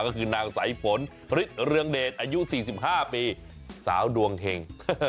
ก็คือนางสายฝนพฤษเรืองเดชอายุ๔๕ปีสาวดวงเห็ง